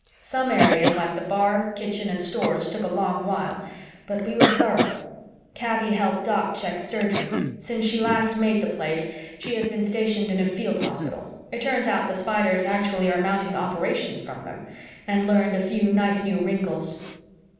Some areas, like the bar, kitchen and Stores, took a long while, but we were thorough. Kaby helped Doc check Surgery: since she last made the Place, she has been stationed in a Field Hospital (it turns out the Spiders actually are mounting operations from them) and learned a few nice new wrinkles.